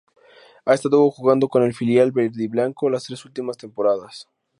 Ha estado jugando con el filial verdiblanco las tres últimas temporadas.